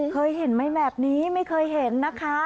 เคยเห็นไหมแบบนี้ไม่เคยเห็นนะคะ